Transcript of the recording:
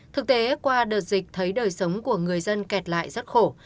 thực tế qua đợt dịch thấy đời sống của người dân kẹt lại rất khổ